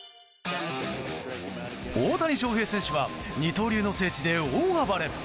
大谷翔平選手は二刀流の聖地で大暴れ。